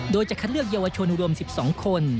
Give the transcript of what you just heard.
โดยจะคัดเลือกเยาวชนรวม๑๒คน